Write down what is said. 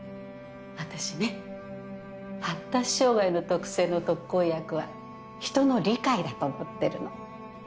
あたしね発達障害の特性の特効薬は人の理解だと思ってるの。